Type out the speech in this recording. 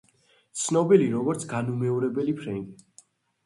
ცნობილი როგორც „განუმეორებელი ფრენკი“.